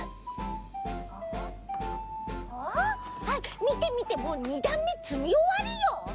あみてみてもう２だんめつみおわるよ。